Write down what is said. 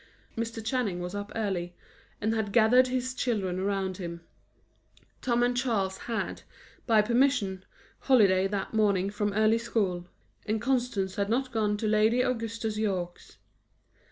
Mr. Channing was up early, and had gathered his children around him. Tom and Charles had, by permission, holiday that morning from early school, and Constance had not gone to Lady Augusta Yorke's.